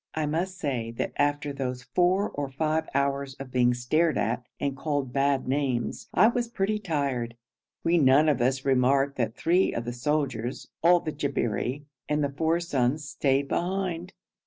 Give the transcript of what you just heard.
I must say that after those four or five hours of being stared at and called bad names, I was pretty tired. We none of us remarked that three of the soldiers, all the Jabberi, and the four sons stayed behind.